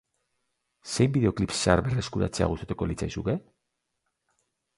Zein bideoklip zahar berreskuratzea gustatuko litzaizuke?